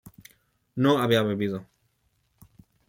no había bebido